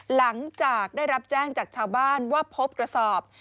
หลังจากได้รับแจ้งจากชาวบ้านว่าพบกระสอบ